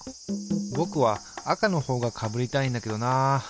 ぼくは赤のほうがかぶりたいんだけどな。